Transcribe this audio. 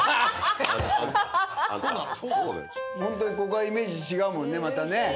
ホントにここはイメージ違うもんねまたね。